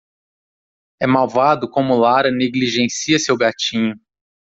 É malvado como Lara negligencia seu gatinho.